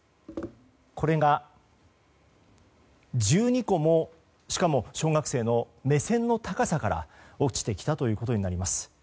これが１２個もしかも小学生の目線の高さから落ちてきたということになります。